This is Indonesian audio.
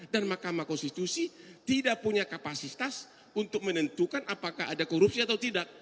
dan makam konstitusi tidak punya kapasitas untuk menentukan apakah ada korupsi atau tidak